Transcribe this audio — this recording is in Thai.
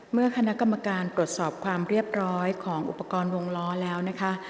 เมื่อคณะกรรมการตรวจสอบความเรียบร้อยของอุปกรณ์วงล้อแล้วนะคะ